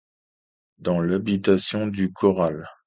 Dans l’habitation du corral